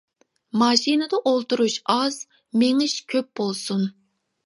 ماشىنىدا ئولتۇرۇش ئاز، مېڭىش كۆپ بولسۇن.